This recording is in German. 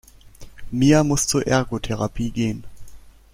Mia muss zur Ergotherapie gehen.